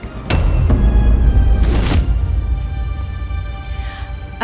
lalu anak siapa